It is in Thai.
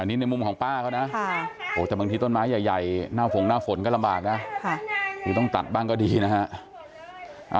อันนี้ในมุมของป้าเขานะแต่บางทีต้นไม้ใหญ่หน้าฝงหน้าฝนก็ลำบากนะคือต้องตัดบ้างก็ดีนะฮะ